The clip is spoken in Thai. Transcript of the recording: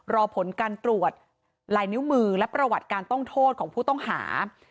รอผลการตรวจลายนิ้วมือและประวัติการต้องโทษของผู้ต้องหา